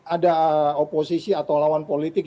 ada oposisi atau lawan politik